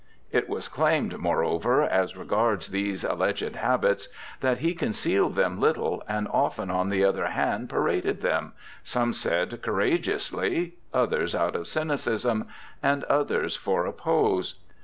It was claimed, moreover, as regards these alleged habits, that he concealed them little, and often on the other hand paraded them some said courageously, others out of cynicism, and others for a pose.